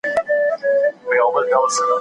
د لومړۍ تجربې ګډونوال دوو کسانو وو.